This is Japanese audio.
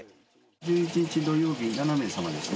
１１日土曜日、７名様ですね。